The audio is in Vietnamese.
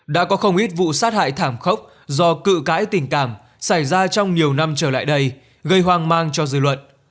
đã có không ít vụ sát hại thảm khốc do cự cãi tình cảm xảy ra trong nhiều năm trở lại đây gây hoang mang cho dư luận